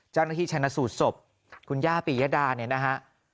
เจ้าหน้าที่ชัยนสูตรศพคุณย่าปริยดาเนี้ยนะฮะ